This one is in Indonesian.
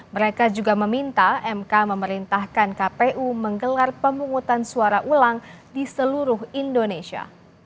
mereka juga meminta mk memerintahkan kpu menggelar pemungutan suara ulang di seluruh indonesia